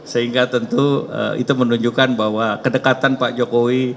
sehingga tentu itu menunjukkan bahwa kedekatan pak jokowi